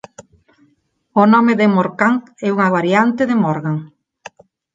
O nome de Morcant é unha variante de Morgan.